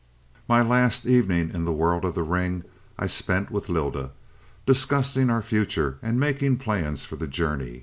"My last evening in the world of the ring, I spent with Lylda, discussing our future, and making plans for the journey.